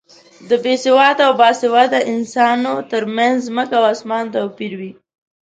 د بې سواده او با سواده انسانو تر منځ ځمکه او اسمان توپیر وي.